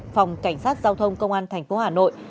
phòng cảnh sát giao thông công an tp hà nội